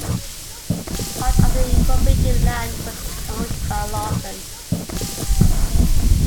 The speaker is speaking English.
Part of the incorporated land was owned by Lawson.